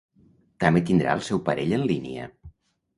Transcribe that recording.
També tindrà el seu parell en línia.